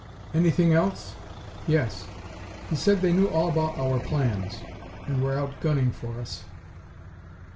Anything else?" "Yes. He said they knew all about our plans, and were out gunning for us."